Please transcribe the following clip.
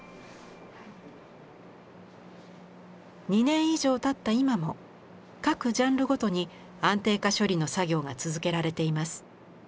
２年以上たった今も各ジャンルごとに安定化処理の作業が続けられています。